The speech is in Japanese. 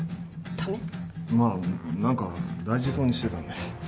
まあ何か大事そうにしてたんで。